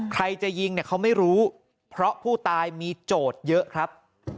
ใครจะยิงเนี่ยเขาไม่รู้เพราะผู้ตายมีโจทย์เยอะครับ